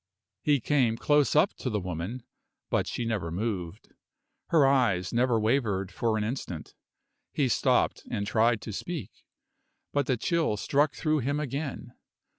He came close up to the woman, but she never moved; her eyes never wavered for an instant. He stopped and tried to speak; but the chill struck through him again.